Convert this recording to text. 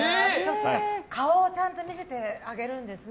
顔、ちゃんと見せてあげるんですね。